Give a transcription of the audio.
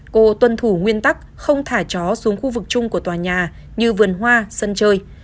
cô tuân thủ nguyên tắc không thả chó xuống khu vực chung của tòa nhà như vườn hoa sân chơi